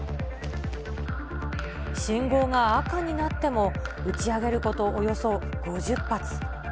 信号が赤になっても、打ち上げることおよそ５０発。